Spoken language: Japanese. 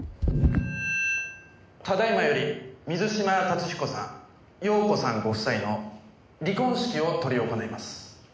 「ただ今より水嶋達彦さん容子さんご夫妻の離婚式を執り行います」